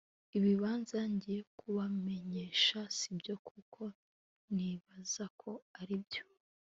ibibanza. ngiye kubamenyesha sibyo kuko nibaza ko aribyo